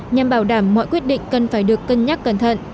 nhằm bảo đảm mọi quyết định cần phải được cân nhắc cẩn thận